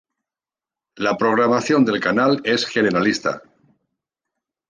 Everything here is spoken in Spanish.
La programación del canal es generalista.